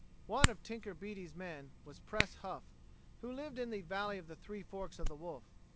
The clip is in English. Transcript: One of "Tinker" Beaty's men was Pres Huff, who lived in the "Valley of the Three Forks o' the Wolf."